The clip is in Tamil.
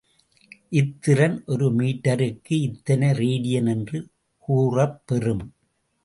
இத்திறன் ஒரு மீட்டருக்கு இத்தனை ரேடியன் என்று கூறப்பெறும்.